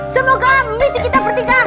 semoga misi kita bertiga